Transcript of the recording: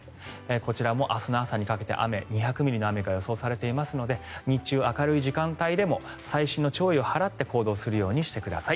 こちらも明日の朝にかけて２００ミリの雨が予想されていますので日中、明るい時間帯でも細心の注意を払って行動するようにしてください。